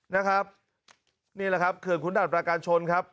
นี่แหละครับเคือนคุณดับประกาศชนครับ